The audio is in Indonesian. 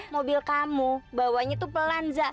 mobil kamu bawanya itu pelan za